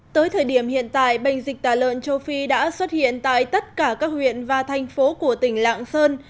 tới thời điểm hiện tại bệnh dịch tả lợn châu phi đã xuất hiện tại tất cả các huyện và thành phố của tỉnh lạng sơn